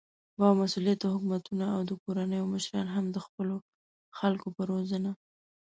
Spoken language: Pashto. با مسؤليته حکومتونه او د کورنيو مشران هم د خپلو خلکو په روزنه